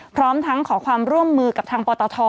พร้อมทั้งขอความร่วมมือกับทางปตท